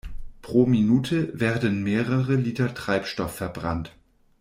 Pro Minute werden mehrere Liter Treibstoff verbrannt.